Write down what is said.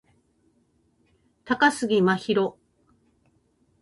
高杉真宙